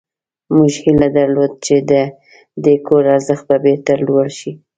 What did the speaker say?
موږ هیله درلوده چې د دې کور ارزښت به بیرته لوړ شي